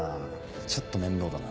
ちょっと面倒だな。